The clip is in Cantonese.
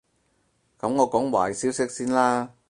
噉我講壞消息先啦